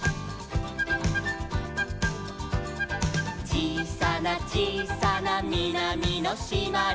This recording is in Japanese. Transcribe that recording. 「ちいさなちいさなみなみのしまに」